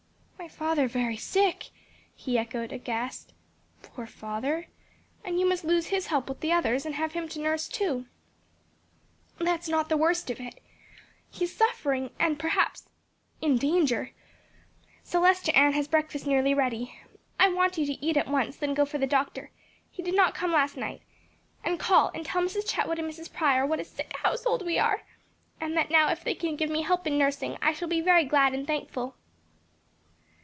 "My father very sick," he echoed, aghast; "poor father! and you must lose his help with the others, and have him to nurse, too!" "That is not the worst of it. He is suffering and perhaps in danger. Celestia Ann has breakfast nearly ready. I want you to eat at once then go for the doctor (he did not come last night) and call and tell Mrs. Chetwood and Mrs. Prior what a sick household we are and that now if they can give me help in nursing, I shall be very glad and thankful."